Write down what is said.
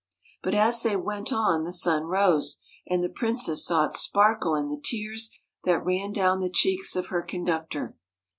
But as they went on the sun rose, and the princess saw it sparkle in the tears that ran down the cheeks of her conductor.